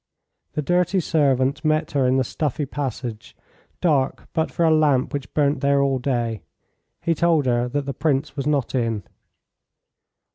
The dirty servant met her in the stuffy passage, dark but for a lamp which burnt there all day. He told her that the Prince was not in.